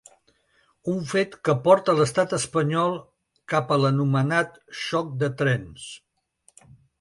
Un fet que porta l’estat espanyol cap a l’anomenat xoc de trens.